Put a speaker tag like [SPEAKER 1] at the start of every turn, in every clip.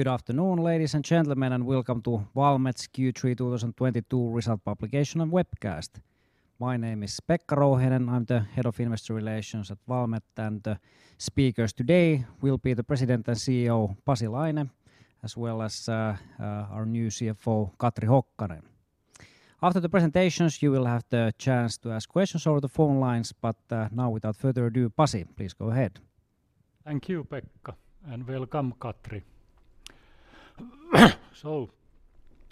[SPEAKER 1] Good afternoon, ladies and gentlemen, and welcome to Valmet's Q3 2022 result publication and webcast. My name is Pekka Rouhiainen. I'm the head of investor relations at Valmet, and speakers today will be the President and Chief Executive Officer, Pasi Laine, as well as our new Chief Financial Officer, Katri Hokkanen. After the presentations, you will have the chance to ask questions over the phone lines. Now without further ado, Pasi, please go ahead.
[SPEAKER 2] Thank you, Pekka, and welcome Katri.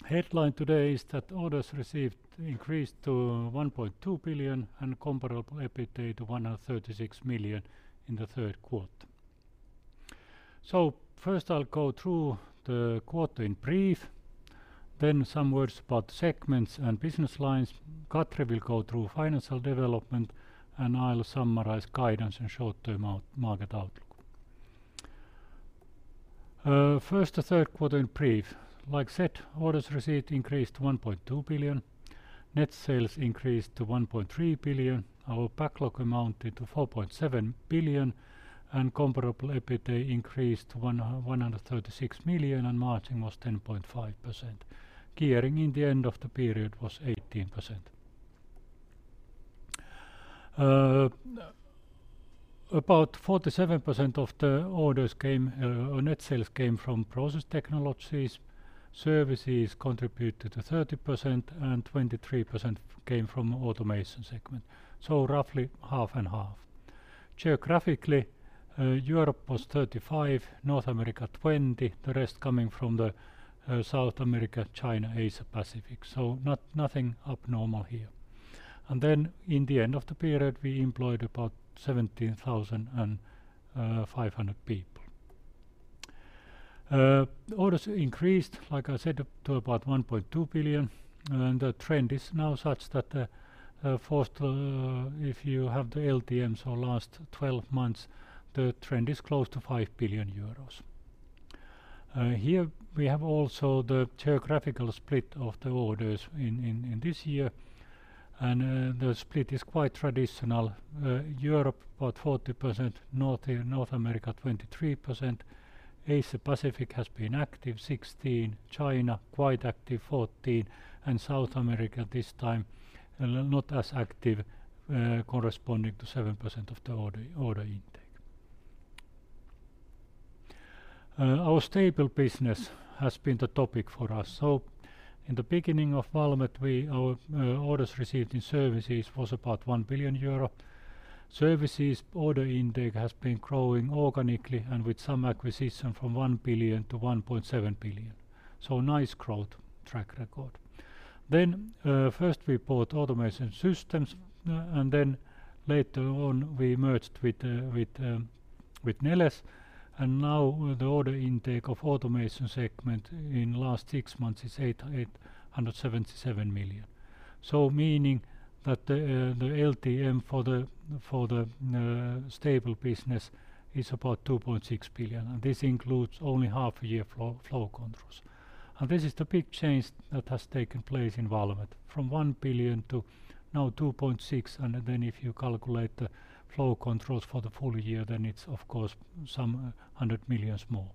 [SPEAKER 2] Headline today is that orders received increased to 1.2 billion and comparable EBITDA to 136 million in the third quarter. First I'll go through the quarter in brief, then some words about segments and business lines. Katri will go through financial development and I'll summarize guidance and short-term market outlook. First, the third quarter in brief. Like I said, orders received increased to 1.2 billion. Net sales increased to 1.3 billion. Our backlog amounted to 4.7 billion and comparable EBITDA increased to 136 million, and margin was 10.5%. Gearing in the end of the period was 18%. About 47% of the orders came or net sales came from process technologies, services contributed to 30%, and 23% came from automation segment. Roughly half and half. Geographically, Europe was 35%, North America 20%, the rest coming from South America, China, Asia Pacific. Nothing abnormal here. In the end of the period we employed about 17,500 people. Orders increased, like I said, up to about 1.2 billion, and the trend is now such that first, if you have the LTM, last twelve months, the trend is close to 5 billion euros. Here we have also the geographical split of the orders in this year and the split is quite traditional. Europe about 40%, North America 23%. Asia Pacific has been active, 16%. China, quite active, 14%. South America this time not as active, corresponding to 7% of the order intake. Our stable business has been the topic for us. In the beginning of Valmet, our orders received in services was about 1 billion euro. Services order intake has been growing organically and with some acquisition from 1 billion-1.7 billion. Nice growth track record. First we bought Automation Systems, and then later on we merged with Neles, and now the order intake of automation segment in last six months is 877 million. Meaning that the LTM for the stable business is about 2.6 billion, and this includes only half-year Flow Control. This is the big change that has taken place in Valmet from 1 billion to now 2.6 billion. If you calculate the Flow Control for the full year, it's of course some hundred millions more.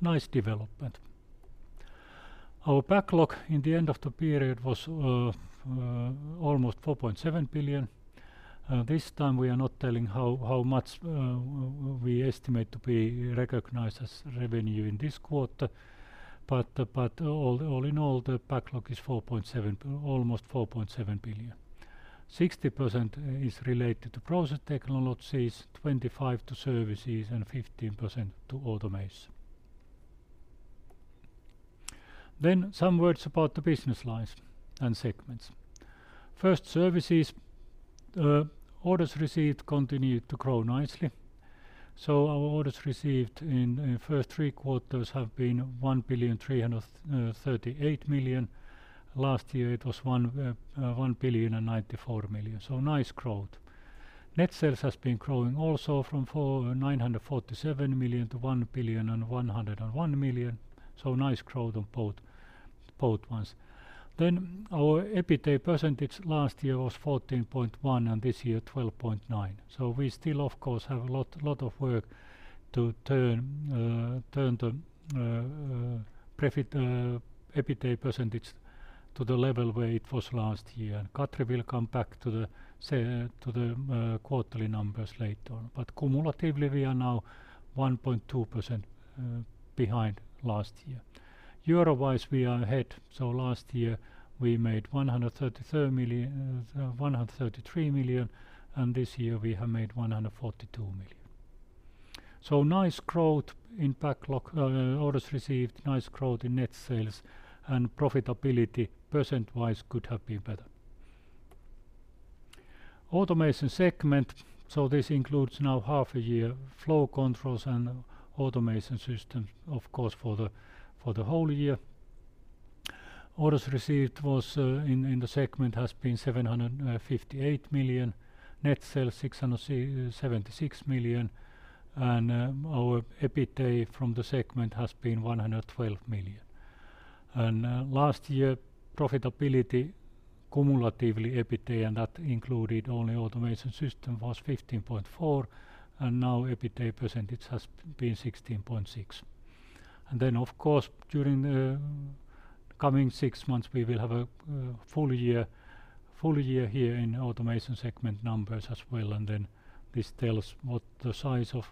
[SPEAKER 2] Nice development. Our backlog in the end of the period was almost 4.7 billion. This time we are not telling how much we estimate to be recognized as revenue in this quarter, but all in all, the backlog is almost 4.7 billion. 60% is related to Process Technologies, 25% to Services, and 15% to Automation. Some words about the business lines and segments. First, Services. Orders received continued to grow nicely. Our orders received in first three quarters have been 1,338 million. Last year it was 1.094 billion. Nice growth. Net sales has been growing also from 947 million-1.101 billion, so nice growth on both ones. Our EBITDA percentage last year was 14.1% and this year 12.9%. We still of course have a lot of work to turn the EBITDA percentage to the level where it was last year. Katri will come back to the quarterly numbers later on, but cumulatively we are now 1.2% behind last year. Euro-wise, we are ahead. Last year we made 133 million, and this year we have made 142 million. Nice growth in backlog, orders received, nice growth in net sales and profitability percent-wise could have been better. Automation segment. This includes now half a year Flow Control and Automation Systems of course for the whole year. Orders received in the segment has been 758 million, net sales 676 million, and our EBITDA from the segment has been 112 million. Last year, profitability cumulatively EBITDA, and that included only automation system, was 15.4%, and now EBITDA percentage has been 16.6%. Of course, during the coming six months, we will have a full year here in automation segment numbers as well. This tells what the size of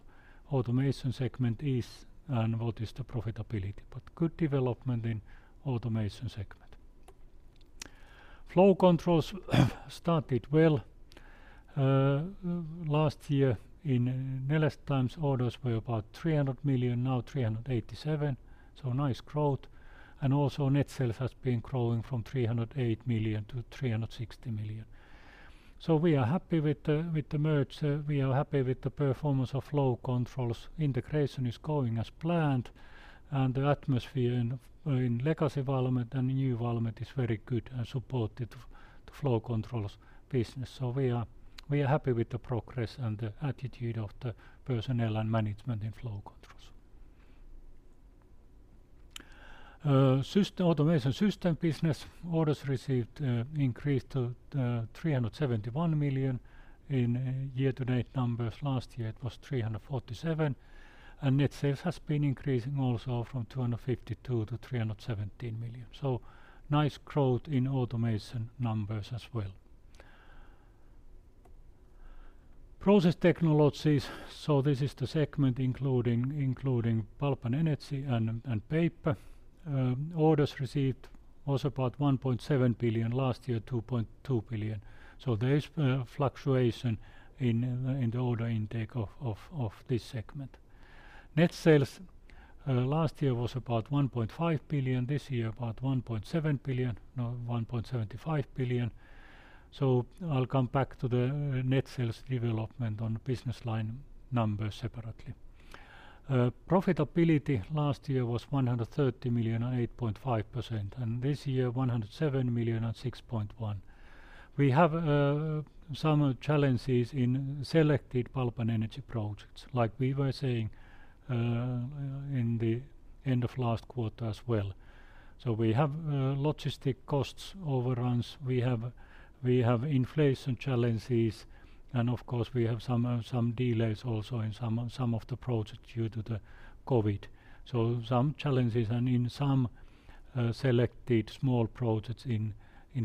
[SPEAKER 2] automation segment is and what is the profitability. Good development in automation segment. Flow Control started well. Last year in Neles times, orders were about 300 million, now 387 million, so nice growth. Also net sales has been growing from 308 million-360 million. We are happy with the merger. We are happy with the performance of Flow Control. Integration is going as planned, and the atmosphere in legacy environment and new environment is very good and supportive of the Flow Control business. We are happy with the progress and the attitude of the personnel and management in Flow Control. Automation Systems business, orders received increased to 371 million in year-to-date numbers. Last year it was 347 million. Net sales has been increasing also from 252 million-317 million. Nice growth in automation numbers as well. Process technologies, this is the segment including pulp and energy and paper. Orders received was about 1.7 billion last year, 2.2 billion. There is fluctuation in the order intake of this segment. Net sales last year was about 1.5 billion, this year about 1.7 billion, no, 1.75 billion. I'll come back to the net sales development on business line numbers separately. Profitability last year was 130 million and 8.5%, and this year, 107 million and 6.1%. We have some challenges in selected pulp and energy projects, like we were saying, in the end of last quarter as well. We have logistics cost overruns, we have inflation challenges, and of course we have some delays also in some of the projects due to the COVID. Some challenges and in some selected small projects in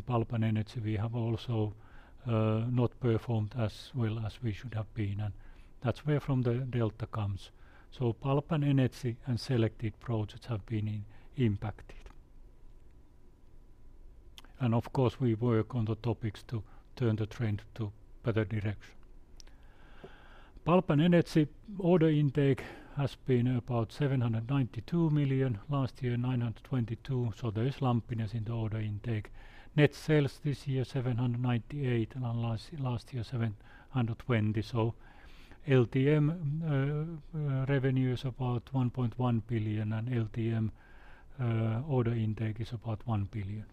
[SPEAKER 2] Pulp and Energy, we have also not performed as well as we should have been. That's where the delta comes from. Pulp and Energy and selected projects have been impacted. Of course we work on the topics to turn the trend to better direction. Pulp and Energy order intake has been about 792 million, last year, 922 million. There is lumpiness in the order intake. Net sales this year, 798 million, and last year, 720 million. LTM revenue is about 1.1 billion, and LTM order intake is about 1 billion.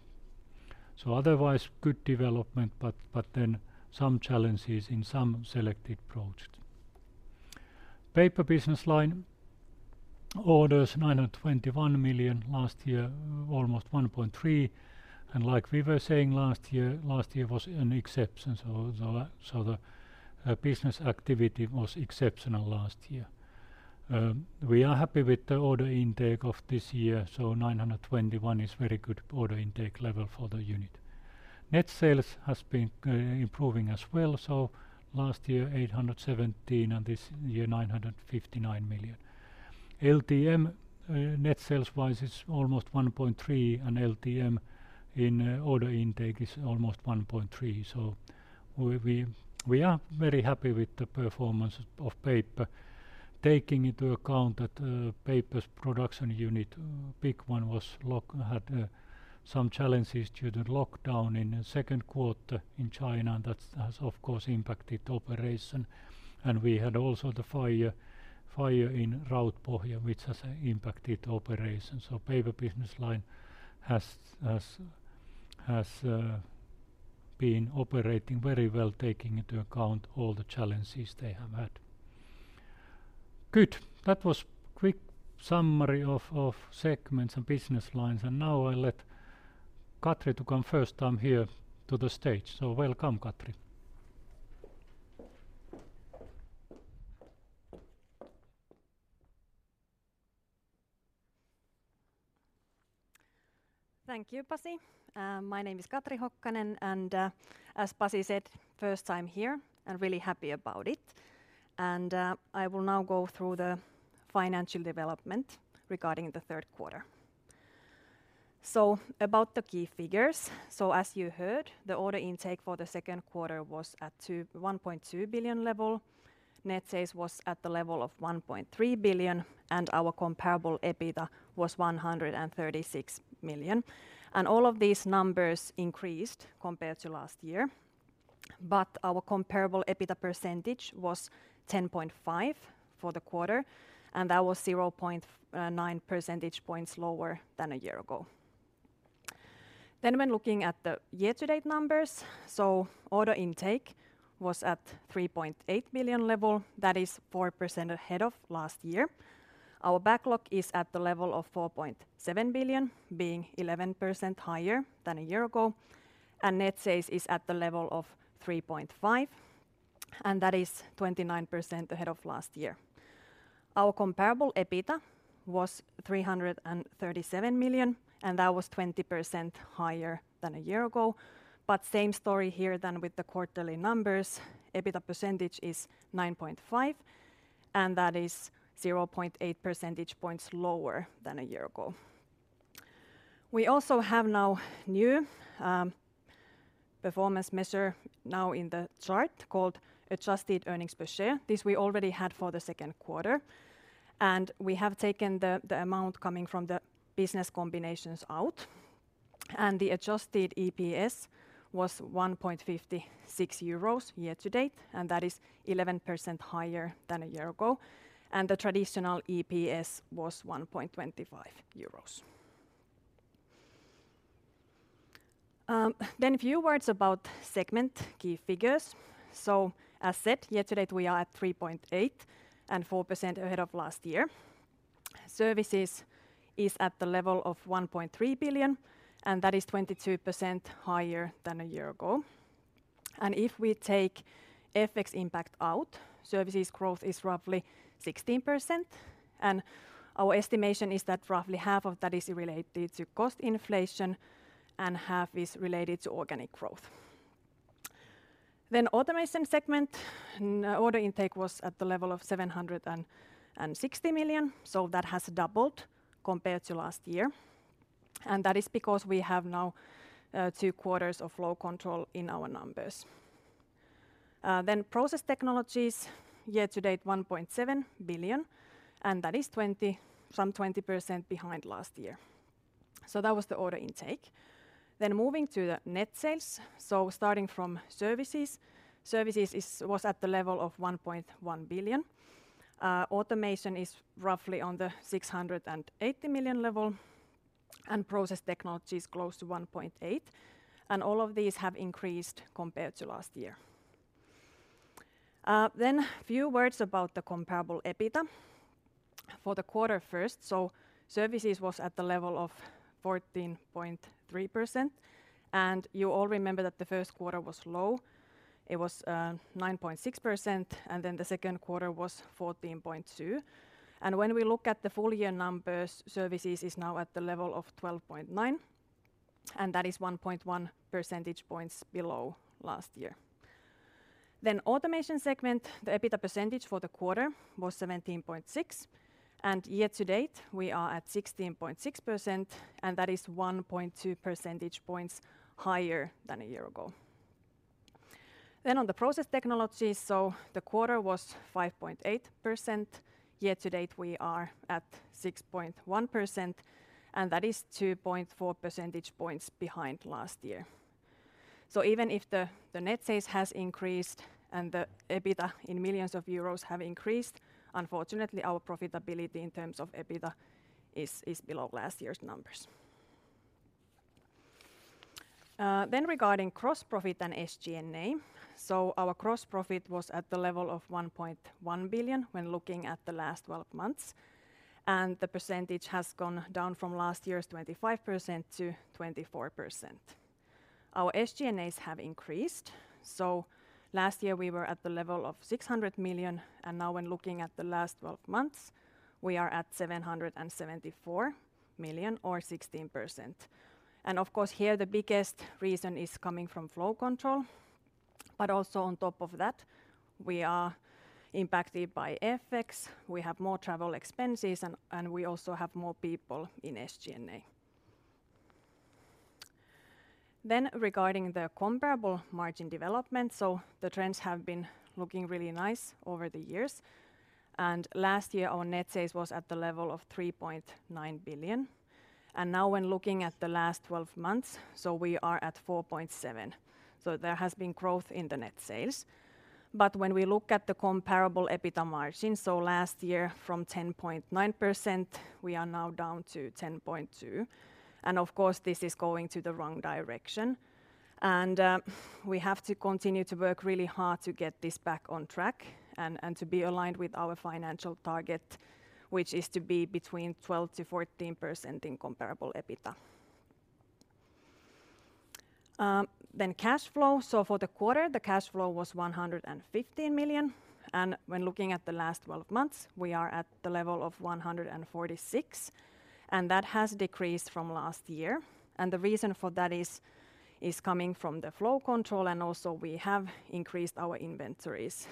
[SPEAKER 2] Otherwise, good development, but then some challenges in some selected projects. Paper business line orders 921 million, last year, almost 1.3 billion. Like we were saying last year, last year was an exception. The business activity was exceptional last year. We are happy with the order intake of this year, so 921 million is very good order intake level for the unit. Net sales has been improving as well, so last year, 817 million, and this year, 959 million. LTM net sales wise is almost 1.3 billion, and LTM order intake is almost 1.3 billion. We are very happy with the performance of paper. Taking into account that paper's production unit, big one had some challenges due to lockdown in the second quarter in China, and that has, of course, impacted operations. We had also the fire in Rautpohja, which has impacted operations. Paper business line has been operating very well, taking into account all the challenges they have had. Good. That was quick summary of segments and business lines. Now I let Katri come first time here to the stage. Welcome, Katri.
[SPEAKER 3] Thank you, Pasi. My name is Katri Hokkanen. As Pasi said, first time here, I'm really happy about it. I will now go through the financial development regarding the third quarter. About the key figures. As you heard, the order intake for the second quarter was at 1.2 billion level. Net sales was at the level of 1.3 billion, and our comparable EBITDA was 136 million. All of these numbers increased compared to last year. Our comparable EBITDA percentage was 10.5% for the quarter, and that was 0.9 percentage points lower than a year ago. When looking at the year-to-date numbers, order intake was at 3.8 billion level. That is 4% ahead of last year. Our backlog is at the level of 4.7 billion being 11% higher than a year ago, and net sales is at the level of 3.5 billion, and that is 29% ahead of last year. Our comparable EBITDA was 337 million, and that was 20% higher than a year ago, but same story here than with the quarterly numbers. EBITDA percentage is 9.5%, and that is 0.8 percentage points lower than a year ago. We also have now new performance measure now in the chart called adjusted earnings per share. This we already had for the second quarter, and we have taken the amount coming from the business combinations out, and the adjusted EPS was 1.56 euros year to date, and that is 11% higher than a year ago. The traditional EPS was 1.25 euros. A few words about segment key figures. As said, year to date, we are at 3.8%-4% ahead of last year. Services is at the level of 1.3 billion, and that is 22% higher than a year ago. If we take FX impact out, services growth is roughly 16%, and our estimation is that roughly half of that is related to cost inflation and half is related to organic growth. Automation segment order intake was at the level of 760 million. That has doubled compared to last year, and that is because we have now two quarters of Flow Control in our numbers. Process technologies year to date, 1.7 billion, and that is some 20% behind last year. That was the order intake. Moving to the net sales, starting from services. Services was at the level of 1.1 billion. Automation is roughly on the 680 million level, and process technology is close to 1.8 billion. All of these have increased compared to last year. Few words about the comparable EBITDA for the quarter first. Services was at the level of 14.3%, and you all remember that the first quarter was low. It was 9.6%, and then the second quarter was 14.2%. When we look at the full year numbers, services is now at the level of 12.9%, and that is 1.1 percentage points below last year. Automation segment, the EBITDA percentage for the quarter was 17.6%, and year to date, we are at 16.6%, and that is 1.2 percentage points higher than a year ago. On the process technology, the quarter was 5.8%. Year to date, we are at 6.1%, and that is 2.4 percentage points behind last year. Even if the net sales has increased and the EBITDA in millions euros have increased, unfortunately our profitability in terms of EBITDA is below last year's numbers. Regarding gross profit and SG&A. Our gross profit was at the level of 1.1 billion when looking at the last twelve months, and the percentage has gone down from last year's 25%-24%. Our SG&A has increased. Last year, we were at the level of 600 million, and now when looking at the last twelve months, we are at 774 million or 16%. Of course here the biggest reason is coming from Flow Control. Also on top of that, we are impacted by FX. We have more travel expenses and we also have more people in SG&A. Regarding the comparable margin development. The trends have been looking really nice over the years. Last year, our net sales was at the level of 3.9 billion. Now when looking at the last twelve months, we are at 4.7%. There has been growth in the net sales. When we look at the comparable EBITDA margin, last year from 10.9%, we are now down to 10.2%. Of course, this is going to the wrong direction. We have to continue to work really hard to get this back on track and to be aligned with our financial target, which is to be between 12%-14% in comparable EBITDA. Cash flow. For the quarter, the cash flow was 115 million. When looking at the last twelve months, we are at the level of 146 million, and that has decreased from last year. The reason for that is coming from the Flow Control, and also we have increased our inventories.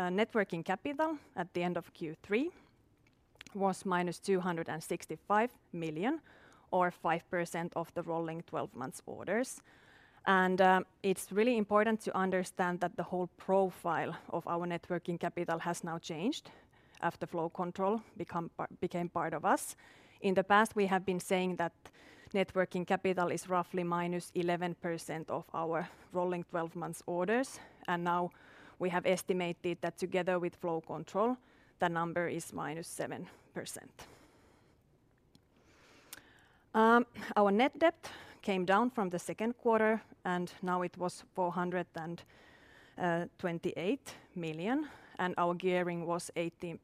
[SPEAKER 3] Net working capital at the end of Q3 was -265 million or 5% of the rolling twelve months orders. It's really important to understand that the whole profile of our net working capital has now changed after Flow Control became part of us. In the past, we have been saying that net working capital is roughly -11% of our rolling twelve months orders. Now we have estimated that together with Flow Control, the number is -7%. Our net debt came down from the second quarter, and now it was 428 million, and our gearing was 18%.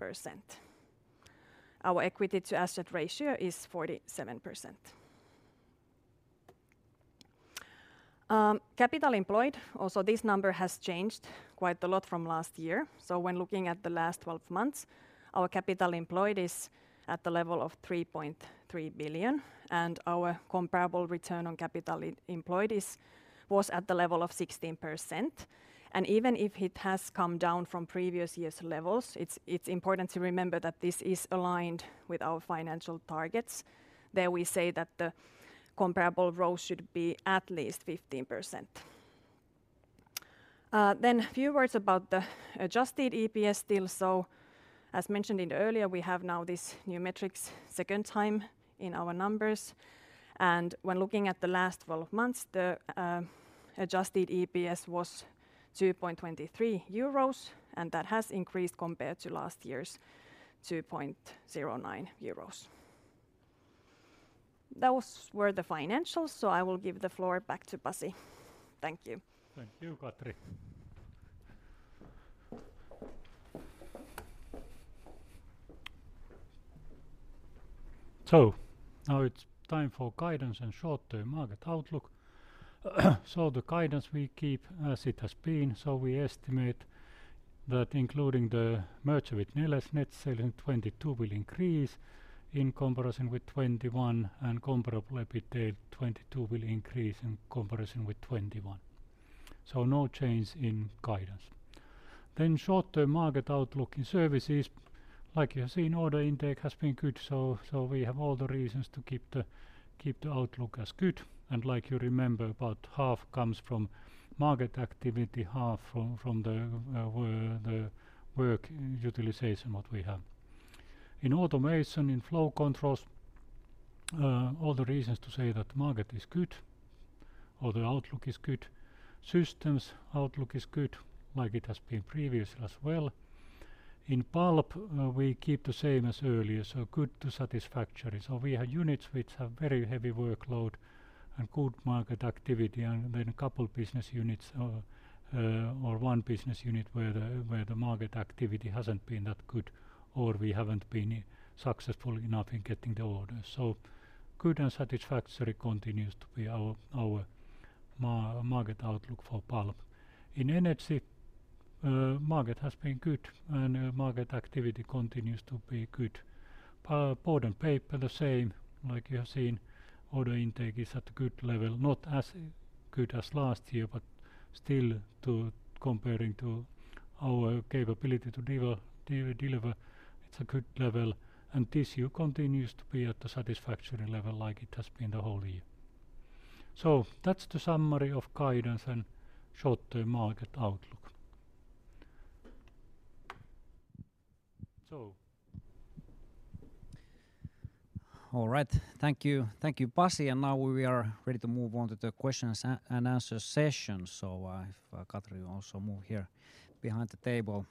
[SPEAKER 3] Our equity to asset ratio is 47%. Capital employed, also this number has changed quite a lot from last year. When looking at the last twelve months, our capital employed is at the level of 3.3 billion, and our comparable return on capital employed was at the level of 16%. Even if it has come down from previous years' levels, it's important to remember that this is aligned with our financial targets. There we say that the comparable growth should be at least 15%. A few words about the adjusted EPS still. As mentioned earlier, we have now this new metrics second time in our numbers. When looking at the last twelve months, the adjusted EPS was 2.23 euros, and that has increased compared to last year's 2.09 euros. Those were the financials, so I will give the floor back to Pasi. Thank you.
[SPEAKER 2] Thank you, Katri. Now it's time for guidance and short-term market outlook. The guidance we keep as it has been. We estimate that including the merger with Neles, net sales in 2022 will increase in comparison with 2021, and comparable EBITDA 2022 will increase in comparison with 2021. No change in guidance. Short-term market outlook in services, like you have seen, order intake has been good, so we have all the reasons to keep the outlook as good. Like you remember, about half comes from market activity, half from the work utilization what we have. In automation, in flow controls, all the reasons to say that the market is good or the outlook is good. Systems outlook is good, like it has been previous as well. In pulp, we keep the same as earlier, so good to satisfactory. We have units which have very heavy workload and good market activity, and then a couple business units, or one business unit where the market activity hasn't been that good or we haven't been successful enough in getting the orders. Good and satisfactory continues to be our market outlook for pulp. In energy, market has been good and, market activity continues to be good. Board and paper, the same. Like you have seen, order intake is at a good level, not as good as last year, but still, too, comparing to our capability to deliver, it's a good level. Tissue continues to be at the satisfactory level like it has been the whole year. That's the summary of guidance and short-term market outlook.
[SPEAKER 1] So... All right. Thank you. Thank you, Pasi. Now we are ready to move on to the Q&A session. If Katri will also move here behind the table.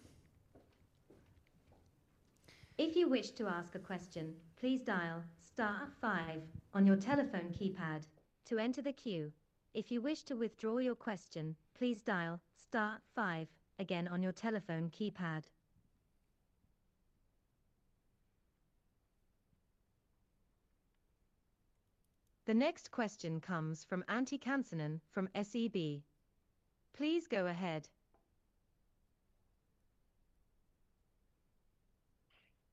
[SPEAKER 4] If you wish to ask a question, please dial star five on your telephone keypad to enter the queue. If you wish to withdraw your question, please dial star five again on your telephone keypad. The next question comes from Antti Kansanen from SEB. Please go ahead.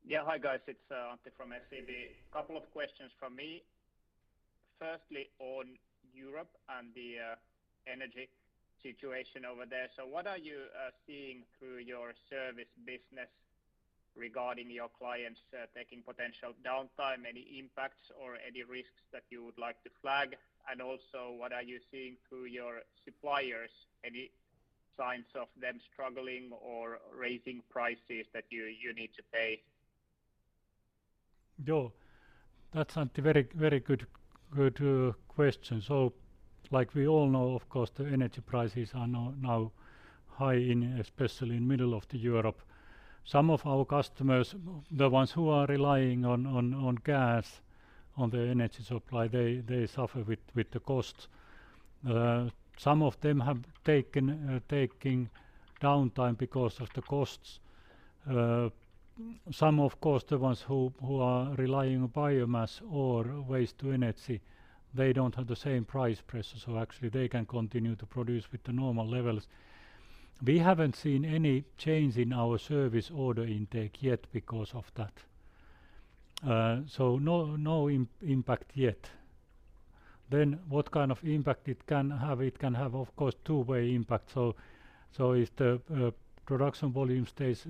[SPEAKER 5] Yeah. Hi, guys. It's Antti from SEB. Couple of questions from me. Firstly, on Europe and the energy situation over there. What are you seeing through your service business regarding your clients taking potential downtime? Any impacts or any risks that you would like to flag? And also, what are you seeing through your suppliers? Any signs of them struggling or raising prices that you need to pay?
[SPEAKER 2] Yeah. That's, Antti, very good question. Like we all know, of course, the energy prices are now high especially in the middle of Europe. Some of our customers, the ones who are relying on gas, on the energy supply, they suffer with the costs. Some of them have taken downtime because of the costs. Some of course, the ones who are relying on biomass or waste to energy, they don't have the same price pressure, so actually they can continue to produce with the normal levels. We haven't seen any change in our service order intake yet because of that. No impact yet. What kind of impact it can have? It can have of course two-way impact. If the production volume stays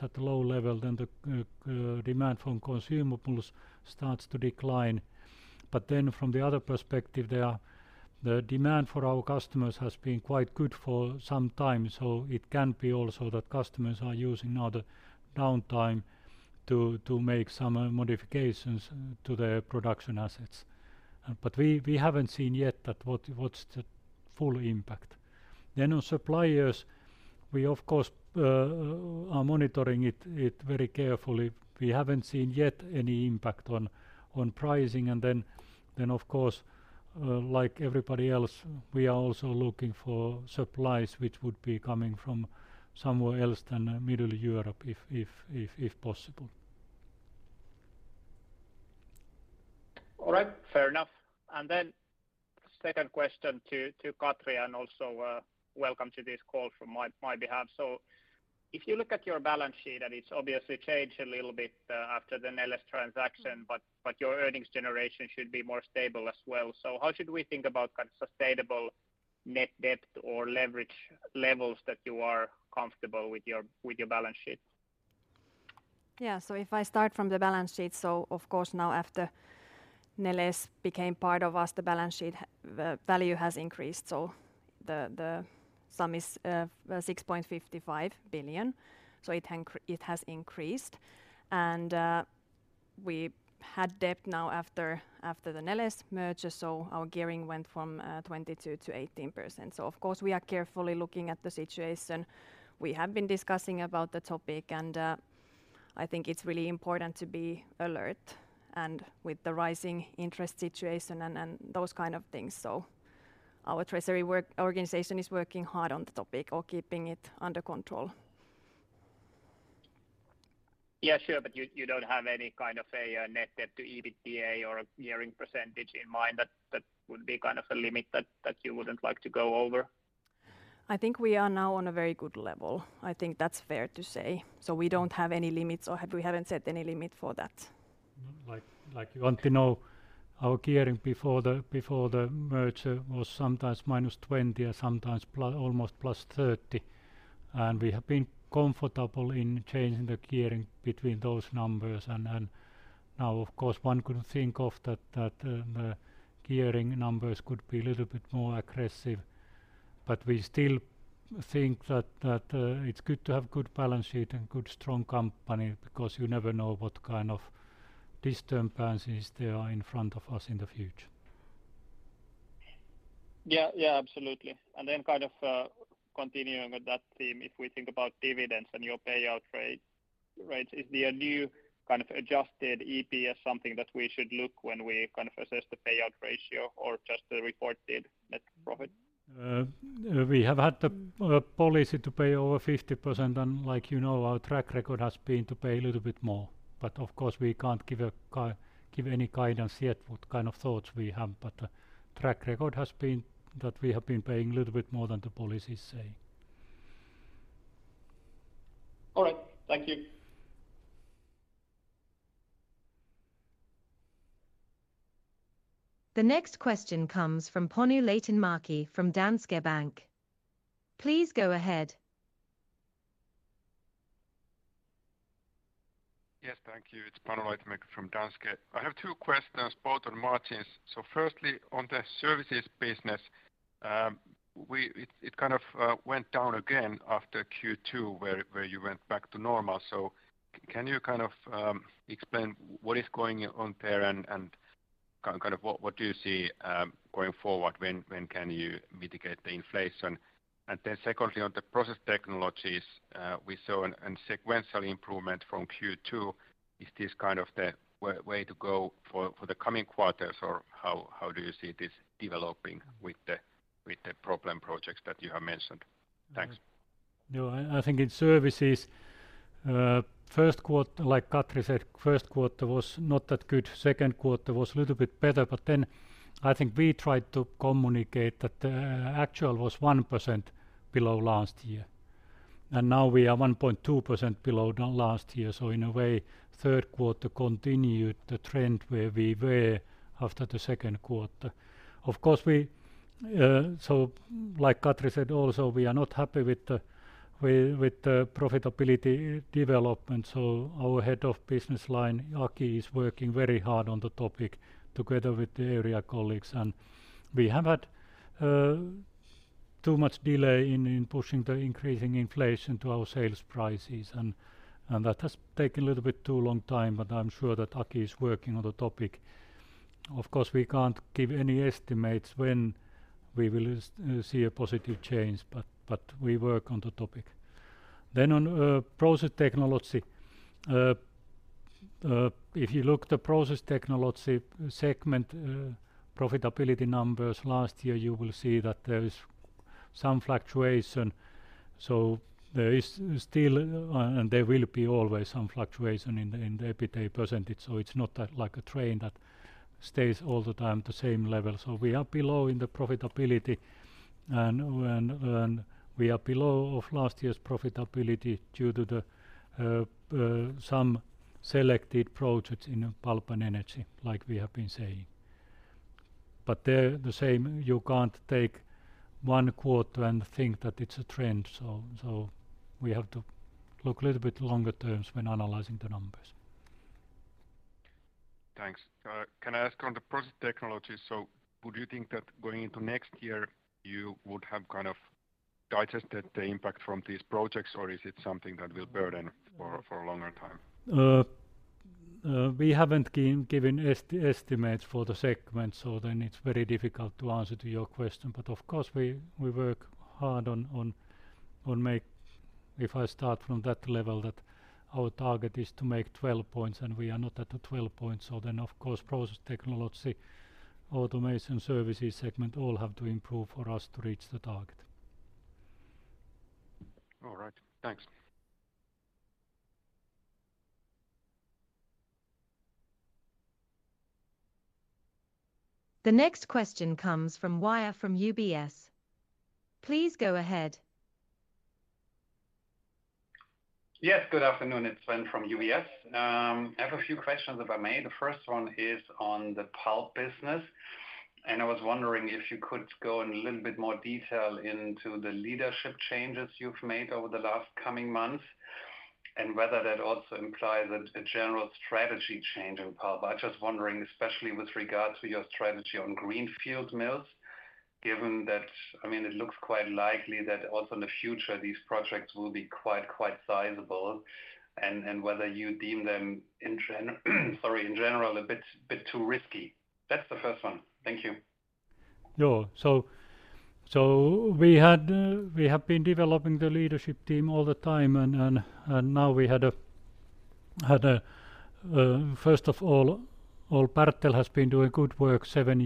[SPEAKER 2] at low level then the demand from consumables starts to decline. From the other perspective, the demand for our customers has been quite good for some time, so it can be also that customers are using now the downtime to make some modifications to their production assets. We haven't seen yet what's the full impact. On suppliers, we of course are monitoring it very carefully. We haven't seen yet any impact on pricing, and then of course, like everybody else, we are also looking for supplies which would be coming from somewhere else than Middle East if possible.
[SPEAKER 5] All right. Fair enough. Second question to Katri, and also, welcome to this call from my behalf. If you look at your balance sheet, and it's obviously changed a little bit, after the Neles transaction, but your earnings generation should be more stable as well. How should we think about kind of sustainable net debt or leverage levels that you are comfortable with your balance sheet?
[SPEAKER 3] Yeah. If I start from the balance sheet, of course now after Neles became part of us, the balance sheet value has increased. The sum is 6.55 billion. It has increased. We had debt now after the Neles merger, our gearing went from 22%-18%. Of course we are carefully looking at the situation. We have been discussing about the topic and I think it's really important to be alert and with the rising interest situation and those kind of things. Our treasury work organization is working hard on the topic or keeping it under control.
[SPEAKER 5] Yeah, sure. You don't have any kind of a net debt to EBITDA or a gearing percentage in mind that you wouldn't like to go over?
[SPEAKER 3] I think we are now on a very good level. I think that's fair to say. We don't have any limits, we haven't set any limit for that.
[SPEAKER 2] Like you want to know our gearing before the merger was sometimes -20 and sometimes almost +30, and we have been comfortable in changing the gearing between those numbers. Now of course one could think of that gearing numbers could be a little bit more aggressive, but we still think that it's good to have good balance sheet and good strong company because you never know what kind of disturbances there are in front of us in the future.
[SPEAKER 5] Yeah, yeah. Absolutely. Then kind of continuing with that theme, if we think about dividends and your payout rate, right, is there a new kind of adjusted EPS, something that we should look when we kind of assess the payout ratio or just the reported net profit?
[SPEAKER 2] We have had the policy to pay over 50% and like, you know, our track record has been to pay a little bit more. Of course, we can't give any guidance yet what kind of thoughts we have. Track record has been that we have been paying a little bit more than the policy is saying.
[SPEAKER 5] All right. Thank you.
[SPEAKER 4] The next question comes from Panu Laitinmäki from Danske Bank. Please go ahead.
[SPEAKER 6] Yes. Thank you. It's Panu Laitinmäki from Danske Bank. I have two questions both on margins. Firstly, on the services business, it kind of went down again after Q2 where you went back to normal. Can you kind of explain what is going on there and kind of what do you see going forward? When can you mitigate the inflation? Secondly, on the process technologies, we saw a sequential improvement from Q2. Is this kind of the way to go for the coming quarters or how do you see this developing with the problem projects that you have mentioned? Thanks.
[SPEAKER 2] No. I think in services, first quarter, like Katri said, first quarter was not that good. Second quarter was a little bit better, but then I think we tried to communicate that actual was 1% below last year, and now we are 1.2% below the last year. Third quarter continued the trend where we were after the second quarter. Of course, like Katri said also, we are not happy with the profitability development. Our head of business line, Aki, is working very hard on the topic together with the area colleagues. We have had too much delay in pushing the increasing inflation to our sales prices and that has taken a little bit too long time, but I'm sure that Aki is working on the topic. Of course, we can't give any estimates when we will see a positive change, but we work on the topic. On process technology. If you look the process technology segment, profitability numbers last year, you will see that there is some fluctuation. There is still and there will be always some fluctuation in the EBITDA percentage, so it's not that like a train that stays all the time the same level. We are below in the profitability and when we are below of last year's profitability due to the some selected projects in Pulp and Energy like we have been saying. There the same, you can't take one quarter and think that it's a trend so we have to look a little bit longer terms when analyzing the numbers.
[SPEAKER 6] Thanks. Can I ask on the process technology? Would you think that going into next year you would have kind of digested the impact from these projects, or is it something that will burden for a longer time?
[SPEAKER 2] We haven't given estimates for the segment, so then it's very difficult to answer your question. If I start from that level that our target is to make 12 points, and we are not at the 12 points, so then of course process technology, automation services segment all have to improve for us to reach the target.
[SPEAKER 6] All right. Thanks.
[SPEAKER 4] The next question comes from Sven Weier from UBS. Please go ahead.
[SPEAKER 7] Yes. Good afternoon. It's Sven from UBS. I have a few questions, if I may. The first one is on the pulp business, and I was wondering if you could go in a little bit more detail into the leadership changes you've made over the last coming months, and whether that also implies a general strategy change in pulp. I'm just wondering, especially with regards to your strategy on greenfield mills, given that, I mean, it looks quite likely that also in the future these projects will be quite sizable and whether you deem them in general a bit too risky. That's the first one. Thank you.
[SPEAKER 2] Sure. We have been developing the leadership team all the time and now, first of all, well, Bertel has been doing good work seven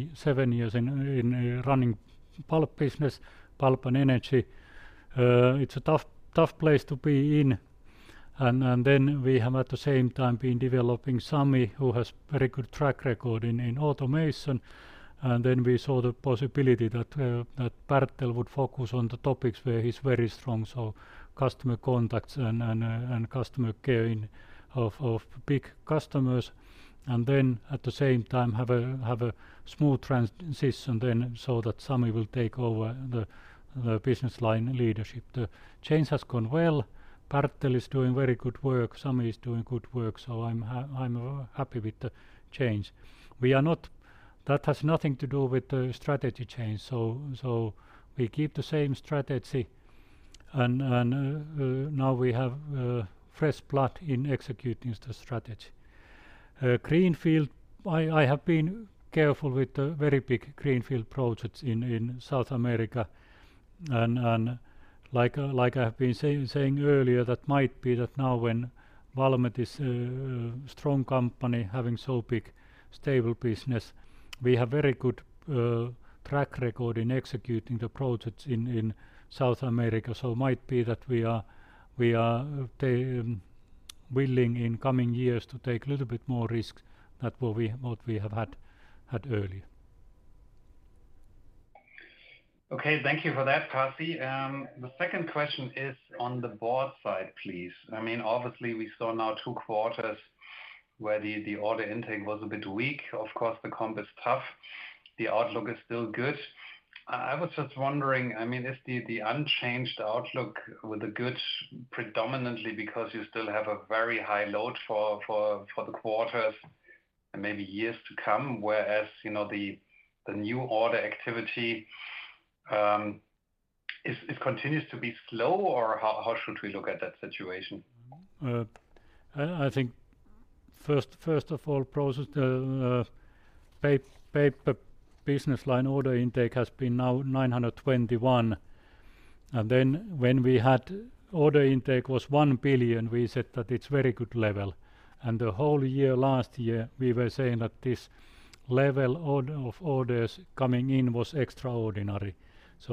[SPEAKER 2] years in running pulp business, Pulp and Energy. It's a tough place to be in. We have at the same time been developing Sami, who has very good track record in automation. We saw the possibility that Bertel would focus on the topics where he's very strong, so customer contacts and customer caring of big customers. At the same time, have a smooth transition so that Sami will take over the business line leadership. The change has gone well. Bertel is doing very good work. Sami is doing good work. I'm happy with the change. We are not. That has nothing to do with the strategy change. We keep the same strategy and now we have fresh blood in executing the strategy. Greenfield, I have been careful with the very big greenfield projects in South America. Like I have been saying earlier, that might be that now when Valmet is a strong company having so big, stable business, we have very good track record in executing the projects in South America. Might be that we are willing in coming years to take little bit more risk than what we have had earlier.
[SPEAKER 7] Okay. Thank you for that, Pasi. The second question is on the board side, please. I mean, obviously we saw now two quarters where the order intake was a bit weak. Of course, the comp is tough. The outlook is still good. I was just wondering, I mean, is the unchanged outlook good predominantly because you still have a very high load for the quarters and maybe years to come? Whereas, you know, the new order activity continues to be slow or how should we look at that situation?
[SPEAKER 2] I think first of all, the paper business line order intake has been now 921 million. Then when we had order intake was 1 billion, we said that it's very good level. The whole year last year, we were saying that this level of orders coming in was extraordinary.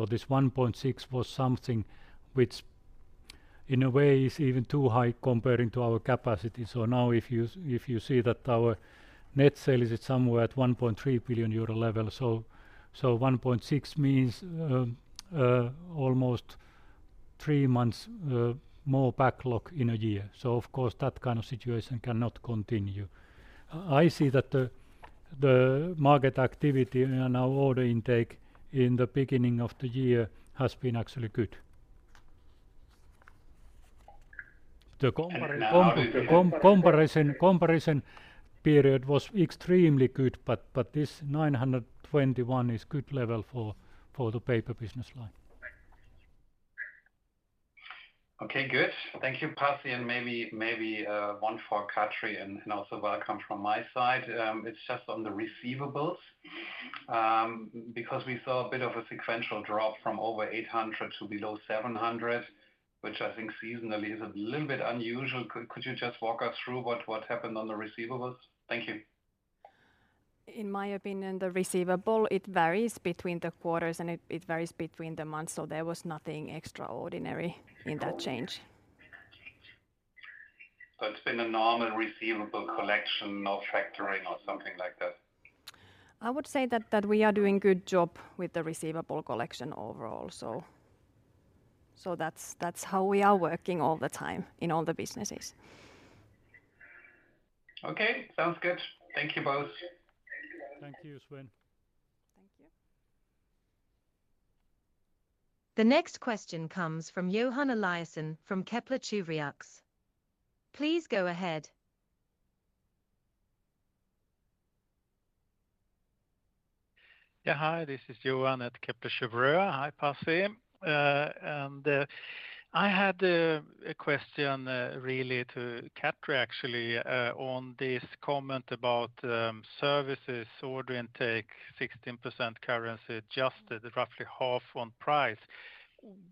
[SPEAKER 2] This 1.6 billion was something which in a way is even too high comparing to our capacity. Now if you see that our net sales is at somewhere at 1.3 billion euro level, so 1.6 billion means almost three months more backlog in a year. Of course, that kind of situation cannot continue. I see that the market activity and our order intake in the beginning of the year has been actually good. The comparison period was extremely good, but 921 million is good level for the paper business line.
[SPEAKER 7] Okay, good. Thank you, Pasi. Maybe one for Katri and also welcome from my side. It's just on the receivables, because we saw a bit of a sequential drop from over 800 million to below 700 million, which I think seasonally is a little bit unusual. Could you just walk us through what happened on the receivables? Thank you.
[SPEAKER 3] In my opinion, the receivable, it varies between the quarters and it varies between the months, so there was nothing extraordinary in that change.
[SPEAKER 7] It's been a normal receivable collection, no factoring or something like that?
[SPEAKER 3] I would say that we are doing good job with the receivable collection overall. That's how we are working all the time in all the businesses.
[SPEAKER 7] Okay. Sounds good. Thank you both.
[SPEAKER 2] Thank you, Sven.
[SPEAKER 3] Thank you.
[SPEAKER 4] The next question comes from Johan Eliasson from Kepler Cheuvreux. Please go ahead.
[SPEAKER 8] Hi, this is Johan at Kepler Cheuvreux. Hi, Pasi. I had a question really to Katri actually on this comment about services order intake 16% currency adjusted roughly half on price.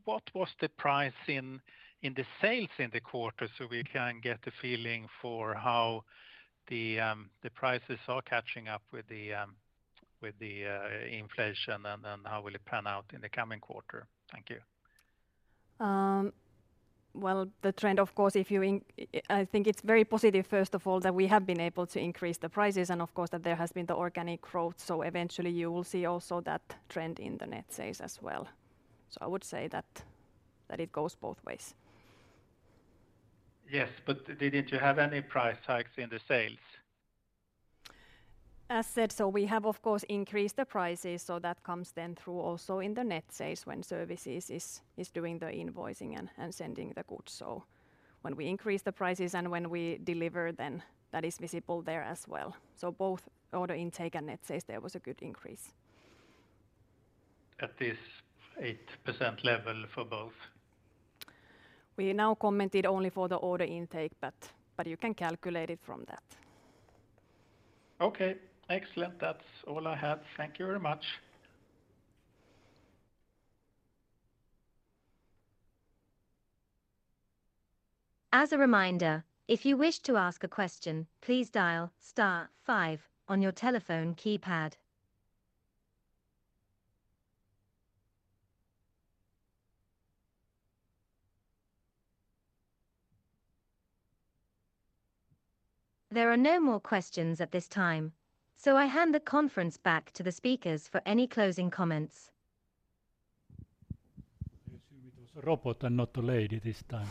[SPEAKER 8] What was the price in the sales in the quarter so we can get a feeling for how the prices are catching up with the inflation and then how will it pan out in the coming quarter? Thank you.
[SPEAKER 3] Well, the trend of course I think it's very positive first of all that we have been able to increase the prices and of course that there has been the organic growth. Eventually you will see also that trend in the net sales as well. I would say that it goes both ways.
[SPEAKER 8] Yes, didn't you have any price hikes in the sales?
[SPEAKER 3] As said, we have of course increased the prices, so that comes then through also in the net sales when services is doing the invoicing and sending the goods. When we increase the prices and when we deliver then that is visible there as well. Both order intake and net sales there was a good increase.
[SPEAKER 8] At this 8% level for both?
[SPEAKER 3] We now commented only for the order intake, but you can calculate it from that.
[SPEAKER 8] Okay. Excellent. That's all I have. Thank you very much.
[SPEAKER 4] As a reminder, if you wish to ask a question, please dial star five on your telephone keypad. There are no more questions at this time, so I hand the conference back to the speakers for any closing comments.
[SPEAKER 2] I assume it was a robot and not a lady this time.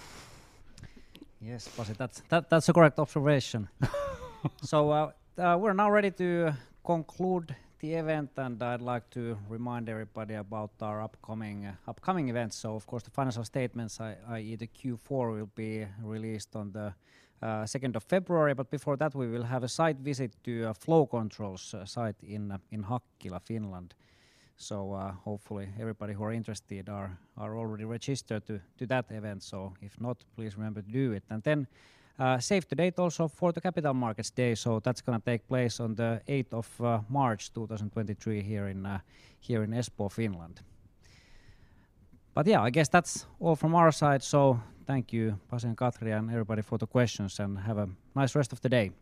[SPEAKER 1] Yes, Pasi, that's the correct observation. We're now ready to conclude the event, and I'd like to remind everybody about our upcoming events. Of course, the financial statements, i.e., the Q4 will be released on the second of February. Before that, we will have a site visit to Flow Control site in Hakkila, Finland. Hopefully everybody who are interested are already registered to that event. If not, please remember to do it. Save the date also for the Capital Markets Day. That's gonna take place on the March 8th, 2023 here in Espoo, Finland. Yeah, I guess that's all from our side. Thank you Pasi and Katri and everybody for the questions and have a nice rest of the day.
[SPEAKER 2] Thank you.